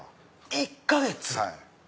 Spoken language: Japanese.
１か月⁉